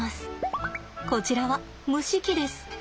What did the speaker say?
こちらは蒸し器です。